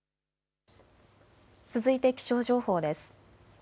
続いて気象情報です。